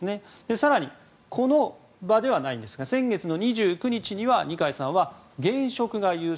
更に、この場ではないんですが先月２９日には二階さんは現職が優先